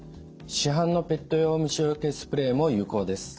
市販のペット用虫よけスプレーも有効です。